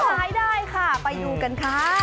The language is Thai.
ขายได้ค่ะไปดูกันค่ะ